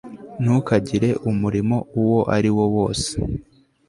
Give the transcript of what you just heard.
ntukagire umurimo uwo ari wo wose